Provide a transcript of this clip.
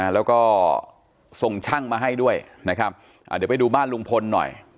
แล้วก็ส่งช่างมาให้ด้วยนะครับเดี๋ยวไปดูบ้านลุงพลหน่อย